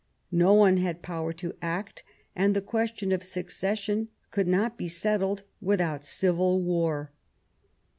No one had power to act, and the question of succession could not be settled without civil war.